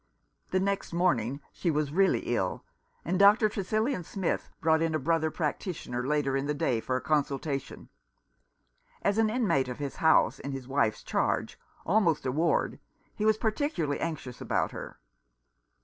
The next morning she was really ill, and Dr. Tresillian Smith brought in a brother practitioner later in the day for a consultation. As an inmate of his house, in his wife's charge, almost a ward, he was particularly anxious about her.